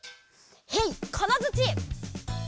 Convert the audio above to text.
へいかなづち。